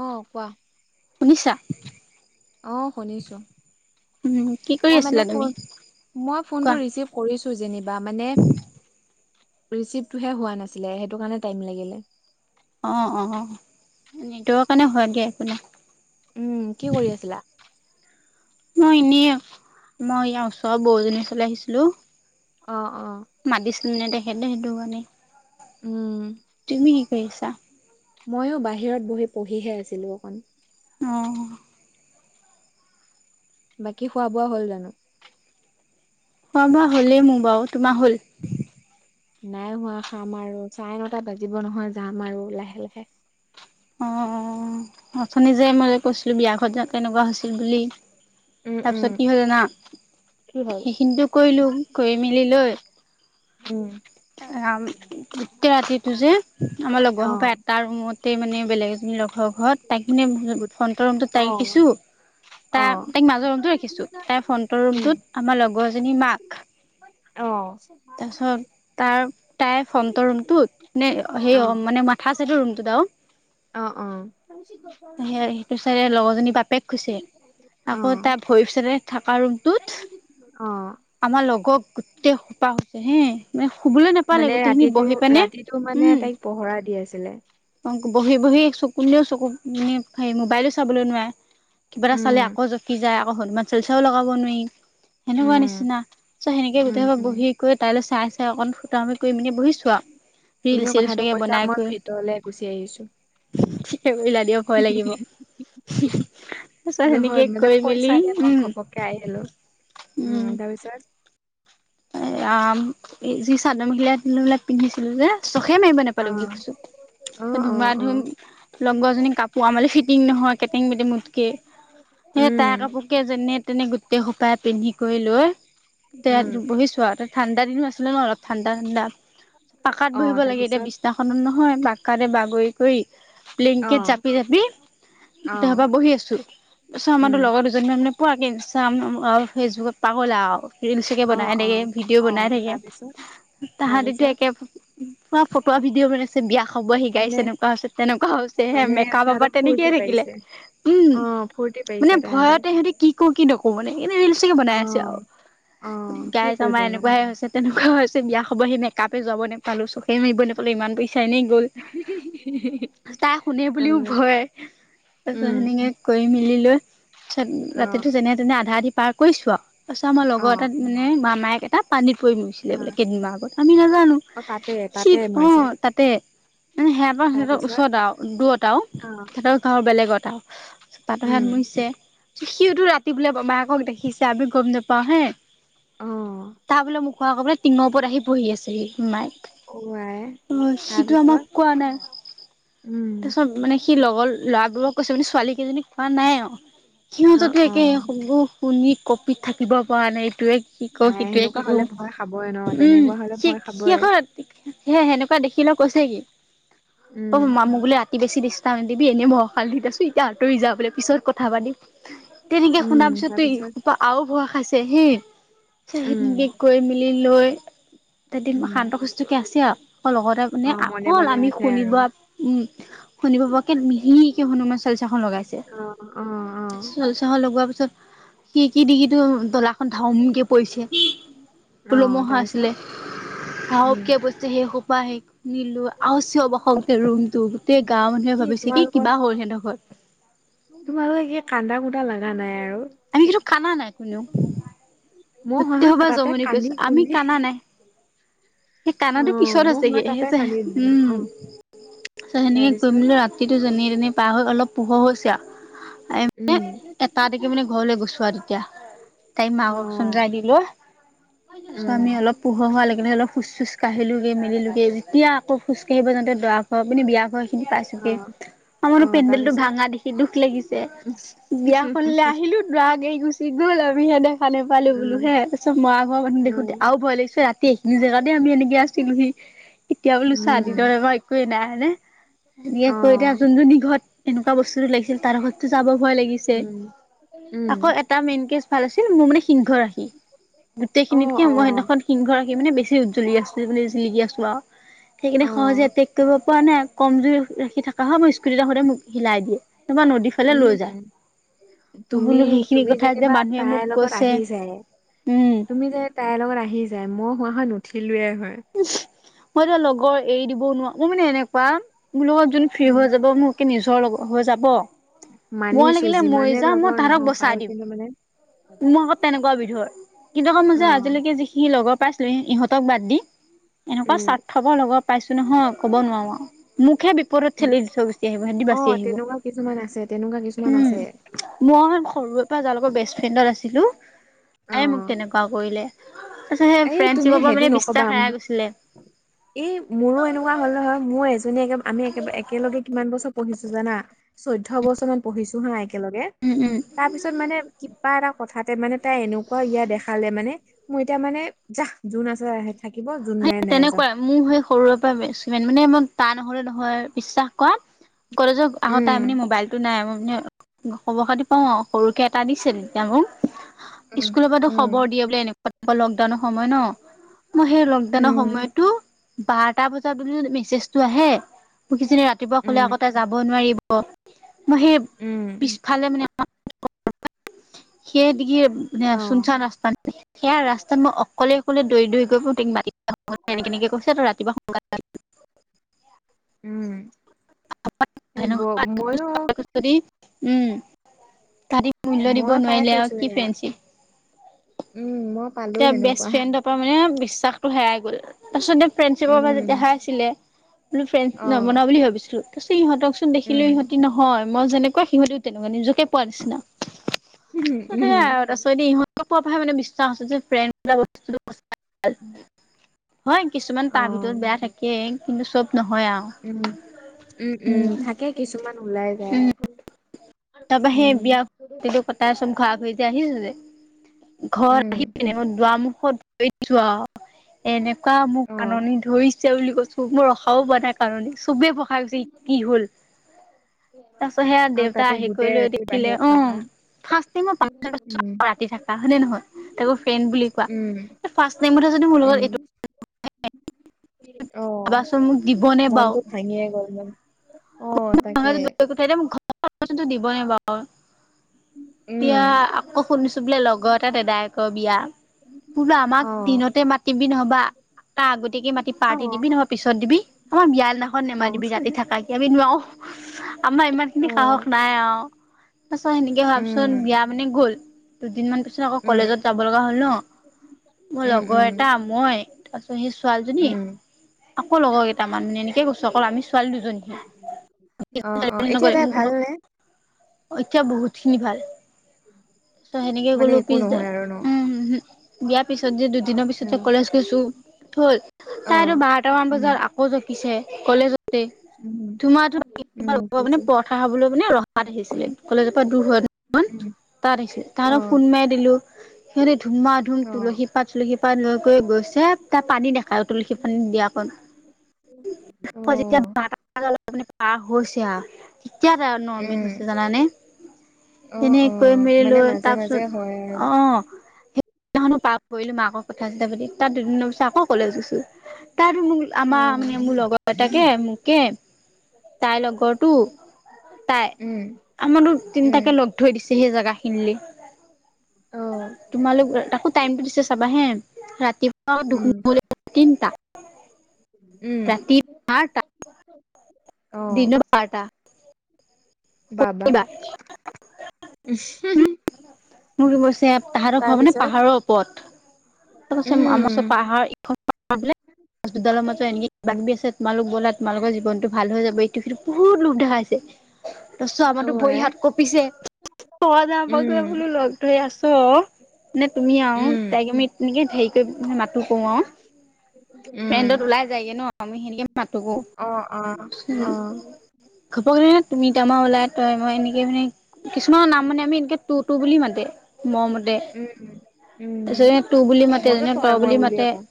অ কোৱা শুনিছা অ শুনিছো উম, কি কৰি মই মানে আছিলা তুমি? ফোন মই কোৱা। ফোনটো ৰিচিভ কৰিছো যেনিবা মানে ৰিচিভটোহে হোৱা নাছিলে সেইটো কাৰণে টাইম লাগিলে। অ অ অ নেটৰ কাৰণে হয় এনকে একো নাই উম কি কৰি আছিলা? মই এনেইয়ে মই ইয়াৰ ওচৰ বৌএজনীৰ ঘৰলে আহিছিলো। অ অ মাদিছ নেদেখে দে সেইটো কাৰণে উম তুমি কি কৰিছা? মইয়ো বাহিৰত বহি পঢ়িহে আছিলো অকণ অ বাকী খোৱা বোৱা হ'ল জানো? খোৱা বোৱা হ'লেই মোৰ বাৰু তোমাৰ হ'ল নাই হোৱা খাম আৰু চাৰে নটা বাজিব নহয় যাম আৰু লাহে লাহে। অ অ অথনি যে মই যে কৈছিলো বিয়া ঘৰত যে তেনেকুৱা হৈছিল বুলি উম উম তাৰপিছত কি হ'ল জানা কি হ'ল সেইখিনিতো কৰিলো কৰি মেলি লৈ উম আম গোটেই ৰাতিটো যে আমাৰ লগৰ অ সপাই তাৰ ৰুমতে মানে বেলেগ এজনী লগৰ ঘৰত [unintelligible] গুড ফ্ৰণ্টৰ ৰুমটো তাইক উম দিছো অ তাৰ তাইক মাজৰ ৰুমটো ৰাখিছো তাই ফ্ৰন্টৰ উম ৰুমটোত আমাৰ লগৰ এজনী মাক অহ তাৰপিছত তাৰ তাই ফ্ৰন্টৰ ৰুমটোত নে সেই অ মানে মাথা চাইটৰ ৰুমটোত আৰু অ সেই সেইটো চাইতে লগৰজনী বাপেক শুইছে অ আকৌ তাত ভৰিৰ চাইতে থকা ৰুমটোত অ আমাৰ লগ গোটেই সোপা শুইছে হে মানে শুবলৈ নাপালে মানে গোটেইখিনি ৰাতিটো বহি পানে ৰাতিটো মানে উম তাইক পহৰা দি আছিলে। বহি বহি চক কোনেও চকু নে হেয়ি মবাইলো চাবলে নোৱাৰে কিবা এটা উম, চালে আ- আকৌ জকি যায় আকৌ হনুমান চালিশাও লগাব নোৱাৰি সেনেকুৱা উম, নিচি- নিচিনা চ সেনেকে উম, গোটেইবা উম, বহি কৰি তাইলৈ চাই চাই অকণ ফুটা মিলি কৰি বহিছো আৰু- ৰিল তুমিও চিল কথাটো চাগে কৈছা মই ভিতৰলে গুচি আহিছো। ঠিকে কৰিলা দিওক ভয় লাগিব। তাৰপিছত হৈ সেনেকে মানে কৰি মেলি কৈছা যে মই উম ঘপকে আহিলো উম তাৰপিছত এয়া যি চাদৰ- মেখেলা বিলাক পিন্ধিছিলো যে চখে মাৰিব অ', নাপালো বুলি অ', কৈছো। অ', ধুমা-ধুম অ'। লগৰজনী কাপোৰ আমালে ফিটিং নহয় কেটেং মেটেং মোতকে। সেই তাৰ উম, কাপোৰ কে যেনে তেনে গোটেই সোপাই পিন্ধি কৰি লৈ এতিয়া উম। বুজিছো আৰু ঠাণ্ডা দিনো আছিলে ন অল ঠাণ্ডা ঠাণ্ডা পাকাত অ', বহিব লাগে এতিয়া তাৰপিছত বিছনাখন নহয় বাকাৰে বাগৰি কৰি অ', ব্লেংকেট জাপি জাপি গোটেই অ'। সপা বহি আছো তাৰপিছত আমাৰ উম। লগৰ দুজনী যেন সেনেকুৱাকে ইষ্টাগ্ৰাম ফেচবুক পাগল আও। ইঞ্চ তাকে অ', বনাই থাকে অ', ভিডিঅ' বনাই অ', থাকে। তাৰপিছত তাহাঁতিতো তাৰপিছত একে পুৰা ফটুৱা ভিডিঅ' বনাইছে বিয়া খাব আহি গাইছ মানে এনেকুৱা হৈছে। তেনেকুৱা হৈছে হে মানে মেকা বাবা সিহঁতে তেনেকে ফূৰ্তি থাকিলে। পাইছে। উম অ', ফূৰ্তি পাইছে মানে তাহাঁতে। ভয়তে সিহঁতি কি কও কি নকোও মানে এনে ৰিলচে অ', বনাই আছে আৰু অ', কি গাইছ আমাৰ কৰিবনো? এনেকুৱাই হৈছে তেনেকুৱাও হৈছে বিয়া খাব আহি সেনেকে। কাপে যাব নাপালো চখেই মাৰিব নাপালো ইমান পইচা এনেই গ'ল। চাহ শুনে বুলিও অ'। ভয়, তাৰপিছত উম। সেনেকে কৰি মেলি লৈ তাৰপিছত অ ৰাতিটো যেনে তেনে আধা আধি পাৰ কৰিছো আৰু তাৰপিছত মই অ লগত মানে মামায়েক এটা পানীত পৰি মৰিছিলে অ বোলে কেইদিনমান আগত আমি নাজানো অ তাতে তাতে শীত অ মৰিছে তাতে মানে সেয়া পৰা সিহঁতৰ তাৰপিছত ওচৰত আৰু দূৰত আও অ সিহঁতৰ বেলেগত আৰু তাৰপিছত উম মৰিছে সিওতো ৰাতি বোলে মেমায়েকক দেখিছে আমি গম নাপাও হে অ তাহ বোলে মোক খোৱা কবলে টিঙৰ ওৰত আহি পহি আছিলেহি অ আই নাই অ সিটো তাৰপিছত আমাক কোৱা নাই। উম তাৰপিছত মানে সি লগৰ ল'ৰাবোৰক কৈছে মানে ছোৱালী কেইজনীক কোৱা নাই আৰু- অ সিহঁততে অ একে সব শুনি কপি থাকিব পৰা নাই এইটোৱে শিকো আই সিটোৱে সেনেকুৱা শিকো হলে ভয় খাবই ন উম তেনেকুৱা হলে শ ভয় খাবই শেষত সেই সেনেকুৱা দেখিও কৈছে কি উম অ মামু বোলে ৰাতি বছিষ্টাৰাম নিদিবি এই অকাল দি আছো এতিয়া আতৰি য বোলে পিছত কথা পাতিম। তেনেকে উম শুনাৰ পিছত ত তাৰপিছত সোপা আৰু ভয় খাইছে সি উম সনেকে কৈ মেলি লৈ ত উম শান্ত সুষ্টকে আছে আৰু লগতে অ মানে মনে আকৌ মনে আমি আছে আৰু শুনিব উম শুনিব প কে মিহিকে হনুমান চালিচাখন লগাইছে। অ অ অ, চ চাহ লগোৱা পিছত স কি দি কি দলাখন ধাও মুকে পৰিছে অ পলমহা তাৰপিছত আছিলে। উম গাহকিয় বস্তু সেই সোপা সেই নিলো আৰু চিঞৰ বাখৰ তোৰ গোটেই গাঁৱৰ মানুহে ভাবিছে কি কিবা হল হেতক ঘৰ তোমালোকে এ কান্দা কুন্দা লগা নাই আৰু আমি কিন্তু খানা নাই কোনেও মই হয় গোটেই হয় সোপা তাতে জমনি কান্দি কৰিছো আমি কুন্দি কানা নাই সেই অ কানাটো পিছত মই আছেগে হয় তাতে কান্দি দিলো উম অ তত তেনেকে কৈ তাৰপিছত মিলো ৰাতিটো যেনে তেনে পাৰ হৈ অলপ পোহৰ হৈছে আৰু উম। এটা দিকে মানে ঘৰলৈ গোছোৱা আৰু তেতিয়া তাই অ মাকক চমজাই দিলে তাছত আমি উম অলপ পোহৰ হোৱাৰ লেকানে অলপ খোজ চোজ কাঢ়িলোগে মেলিলোগে যেতিয়া আকৌ খোজ কাঢ়িব যাওঁতে দৰা হৈ পিনে বিয়া হৈ চিনি অ পাইছোঁগে অ আমাৰনো পেণ্ডেলটো তাৰপিছত ভাঙা দেখি দুখ লাগিছে। বিয়াখনলৈ আহিলো দৰাক এৰি গুচি গ'ল আমিহে দেখা নাপালো বোলো উম হে তাছত মৰা ঘৰ মানুহ দেখোতে উম আও ভয় লাগিছে ৰাতি এইখিনি জেগাতে আমি এনেকে আছিলোহি। এতিয়া বোলো উম চাহদিনৰ মই একোৱেই নাই হয়নে এনেকে অ কৈ থাক জোনজনী ঘৰত এনেকুৱা বস্তুটো লাগিছিল তাৰ ঘৰতো যাব ভয় লাগিছ- হে উম উম আকৌ এটা মেইন কেচ ভাল আছিল মোৰ মানে সিংহ ৰাশি। অ গোটেইখিনিতকে অ মই সেইদিনাখন সিংহ ৰাশি মানে বেছি উজ্জ্বলি আছিল বুলি জিলিকি আছো আও। সেইকাৰণে অ সহজে এটেক কৰিব পোৱা নাই কম জুৰি ৰাশি থকা হয় মই স্কুটিত আহোতে মোক হিলাই দিয়ে। নহ'বা নদী উম। তুমি বোলো সেইখিনি তুমি কথা যে যেনিবা মানুহে তাই মোক লগত কৈছে আহি যায়। উম তুমি যে তাইৰ লগত আহি যায় মই হোৱা হয় নুঠিলোয়ে হয়। মই ত লগৰ এৰি দিবও নোৱা মো মানে এনেকুৱা মোৰ লগত যোন ফ্ৰী হৈ উম যাব মো কে নিজৰ লগ হৈ যাব, মই মানিছো লাগিলে যিমানে মৰি যাম মই লগৰ তাহতক নহওক আৰু বচাই দিম। কিন্তু মানে মই আক তেনেকুৱা বিধৰ। কিন্তু আক অ মই যে আজিলৈকে যিখিনি লগৰ পাইছিলো ইহঁতক বাদ দি এনেকুৱা উম স্বাৰ্থপৰ লগৰ পাইছো নহয় ক'ব নোৱাও আও মোকহে বিপ- ওপৰত ঠেলি দি থৈ গোচি আহিব সেদি অ বাছি আহিব তেনেকুৱা কিছুমান আছে তেনেকুৱা কিছুমান উম আছে মই সৰুৰে পৰা যাৰ লগত বেষ্ট ফ্ৰেণ্ডত আছিলো আই মোক অ তেনেকুৱা কৰিলে তাছত সে এই তুমি ফেডশ্বিপৰ পৰা সেইটো মানে নকবা বিশ্বাস হেৰাই মোক গৈছিলে এই মোৰো এনেকুৱা হ'ল নহয় মোৰ এজনী এক আমি একবাই একেলগে কিমান বছৰ পঢ়িছো জানা চৈধ্য বছৰ মান পঢ়িছো হা একেলগে উম উম। তাৰ পিছত মানে কিবা এটা কথাতে মানে তাই এনেকুৱা ইয়াত দেখালে মানে মই এতিয়া মানে যাহ যোন আছে আহে থাকিব যোন নাই নাই যা। মো সেই সৰুৰে বেছমেন মানে মই তা নহলে নহয় বিশ্বাস কৱা কলেজত আহু তাই উম মানি মোবাইল টো নাই মই মানে খবৰ খাতি পাওঁ সৰুকে এটা দিছিল তেতিয়া মোক উম স্কুলৰ পা টো উম খবৰ দিয়ে বুলে এনেক ক'ত লকডাউনৰ সময় ন ম সে দানৰ উম সময়তো বাৰটা বজাত বুলি মেছেজটো আহে। মোক কিজনী ৰাতিপুৱা ক'লে উম আকৌ তাই যাব নোৱাৰিব মই সেই উম পিছফালে মানে সে দিগি এব অ [unintelligible] চুনচান ৰাস্তা সেয়া ৰাস্তাত মই অকলে অকলে দৈ দৈ গৈবু তাইক মাতি এনেকে তেনেকে কৈছে তই ৰাতিপুৱা শুনকালে আহি উম এই ব ময়ো [unintelligible] যদি উম তাৰিখ মূল্য দিব মই পাই নোৱাৰিলে আৰু থৈছো কি সেয়া ফ্ৰেণ্ডছিপ উম মই পালো তা বেষ্ট সেনেকুৱা ফ্ৰেণ্ড ত মানে বিশ্বাসটো হেৰাই গ'ল তাছতে ফ্ৰেণ্ডশ্বিপৰ পৰা উম যেতিয়া হেৰাইছিলে বোলো অ ফ্ৰেণ্ডছ নবনাও বুলি ভাবিছিলো তাছত সিহঁতক চোন দেখিলো উম ইহতি নহ- হয় মই যেনেকুৱা সিহঁতিও তেনেকুৱা নিজকে পোৱা নিচিনা উম সে উম আৰু তাৰছ ইহঁত পোৱা পোৱা মানে বিশ্বাস আছে যে ফ্ৰেণ্ড বিলাক বস্তুটো সচ- [unintelligible] হয় কিছুমান অ তাৰ ভিতৰত বেয়া থাকে কিন্তু চব নহয় আৰু। উম উম উম থাকে কিছুমান ওলাই যায় আৰু তাৰপৰা সেই বিয়া ইডখৰ তাৰপিছত ঘৰা ঘৰিকে‌ আহিল যে ঘৰ উম আহি কিনে দুৱাৰ মুখত ভৰি দিছো আৰু এনে কুৱা মোক অ কাননি ধৰিছে বুলি কৈছো মই ৰখাব পোৰা নাই কাননি চবে ভই খায় গৈছে কি হল তাৰপাছত সেয়া আৰু দেউতা তাতে আহি কৰি গোটেই লৈ ৰাতি দেখিলে বাহিৰত অঁ থকা ফাৰ্ষ্ট টাইমে উম [unintelligible] ৰাতি থাকা হয়নে নহয় তাকো ফ্ৰেণ্ড বুলি কোৱা উম ফাৰ্ষ্ট টাইমতে যদি মোৰ উম লগত এইটো [unintelligible] অ ভাবাচোন মোক দিবনে বাও মনটো ভাঙিয়ে গল মানে, অঁ। [unintelligible] উম এতিয়া আকৌ শুন ছো বোলে লগৰ এটা দাদায়কৰ বিয়া, মই বোলো আমাক অ দিনতে মাতি নহবা তাৰ আগতীয়াকে মাতি অ পাৰ্টি দিবি নহয় পিছত দিবি আমাক বিয়া দিনাখন অ অ নেমাতিবি ৰাতি থাকা কে আমি নোৱাৰো। আমাৰ ইমান খিনি সাহস নাই আৰু তাৰপাছত সেনেকে ভাবচোন উম বিয়া মানে গ'ল, দুদিনমান পাছত আকৌ উম কলেজত যাব লগা হল ন মোৰ উম লগৰ উম এটা মই তাৰপিছত সেই ছোৱালীজনী উম আকৌ লগৰ কেইটা মান এনেকে গৈছো অকল আমি ছোৱালী দুজনী অ অ ষ্টাইল এতিয়া নকৰে তাই ভালনে এতিয়া বহুত খিনি ভাল ত' সেনেকে মানে গ'লো একো পিছদিনা নহয় আৰু ন উম হোম বিয়াৰ পিছত যে দুদিনৰ অ পিছতে কলেজ গৈছো হল অ তাই আৰু বাৰটা মান উম বজাত আকৌ জকিছে কলেজতে উম ধুমা ধুম উম মানে বুজিছো পৰথা খাবলৈ মানে ৰ তাত আহিছিলে কলেজৰ পৰা দূৰ হয় অকমান উম তাত আহিছিল অ তাহাতক ফোন মাৰি দিলো সিহঁতে ধুমা ধুম অ', তুলসী পাত তুলসী পাত লৈ গৈ গৈছে তাত পানী দেখায় তুলসী পানী দিয়াক আকৌ যেতিয়া অ', [unintelligible] পোনে পাৰ হৈছে আৰু তেতিয়া তাৰ নৰ্মেল উম, হৈছে জানানে অ', তেনেকৈ অ', মেলি মানে লৈ মাজে মাজে হয় আৰু। তাৰপিছত অঁহ কেতিয়ানো পাৰ কৰিলো মই আক কথা চথা পাতি তাৰ দুদিনৰ পিছত আকৌ কলেজ গৈছো। তাইতো মোক আমাৰ মানে অ', মোৰ লগৰ তাকে মোকে তাইৰ লগৰটো তাই উম, আমাৰতো উম, তিনটাকে লগ থৈ দিছে সেই জেগা খিনিলে অ', তোমালোক তাকো টাইমটো দিছে চাবা হে ৰাতিপুৱা উম, দুপৰীয়া তিনটা উম, ৰাতি বাৰটা অ', দিনৰ বাৰটা বা বা মোৰ কি কৈছে তাহাঁতৰ ঘৰ মানে তাৰপিছত? পাহাৰৰ ওপৰত। [unintelligible] মই উম, কৈছো পাহাৰ ইখন [unintelligible] হস্পিতালৰ মাজত এনেকে কিবাকি আছে তোমালোকো ব'লা তোমালোকৰ জীৱনটো ভাল হৈ যাবই তেখেতে বহুত লোভ দেখাইছে। তাৰপাছত আমাৰতো অ' ভৰি আই, হাত কঁপিছে ঐ যাওঁ বল উম, বোলো লগ ধৰি আছো অ নে তুমি আৰু উম, তাইক আমি তেনেকে হেৰি কৰি মানে মাতো কৰো আৰু উম। ফ্ৰেণ্ডত ওলাই যায়গে ন আমি সেনেকে মাতো ক অ', অ', উম অ', ঘপককেনে তুমি তামা ওলাই তই মই এনেকে মানে কিছুমানৰ নাম মানে আমি এনেকে তু তু বুলি মাতে মৰমতে, উম, উম, তাৰপাছত এনে তু বুলি মাতে মইতো যেনে ত তই মই বুলি বুলিয়ে মাতে কওঁ।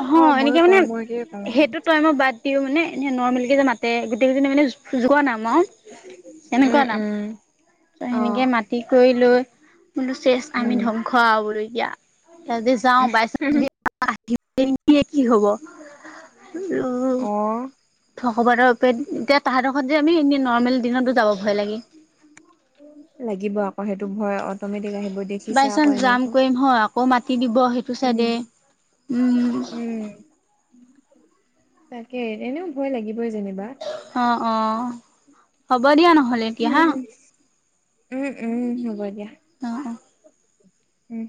অ', মইয়ো এনেকে মানে তই মইকে কওঁ আৰু। সেইটো তই মই বাদ ও মানে এনে নৰৰ্মেল কে যে মাতে গোটেইজননে মানেুজোৱা নাইাম আৰু কেনেকুৱা উম, নাম উম, ত সেনেকে অ', মাত খেতি কৰি লৈ কোনো চেচ আমি উম, ধ্বংস আৰু বুলো এতিয়া। সিহতি [unintelligible] যাওঁ বাইান দিয়ে কি হব আৰু অ', থঢকবাৰৰ পে এতিয়া তাহতৰ ঘৰত যে আমি এনে নৰ্মেল দিনতো যাব ভয় লাগে। লাগিব আকৌ সেইটো ভয় অটমেটিক আহিল। বাই চান্স যাম কৰিম হ আকৌ মাতি দিব সেইটো উম চাইডে উম। উম তাকে এনেও ভয় লাগিবই যেনিবা। অ', অ', হ'ব দিয়া নহ'লে এতিয়া উম হা। উম, উম হ'ব দিয়া। অ', অ'। উম।